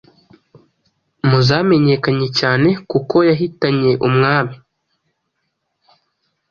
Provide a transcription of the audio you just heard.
mu zamenyekanye cyane kuko yahitanye umwami